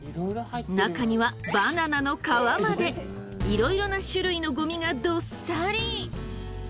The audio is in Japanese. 中にはバナナの皮までいろいろな種類のゴミがどっさり！